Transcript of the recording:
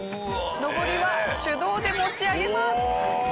上りは手動で持ち上げます。